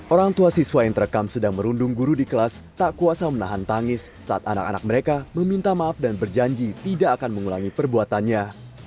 orang tua siswa yang terekam sedang merundung guru di kelas tak kuasa menahan tangis saat anak anak mereka meminta maaf dan berjanji tidak akan mengulangi perbuatannya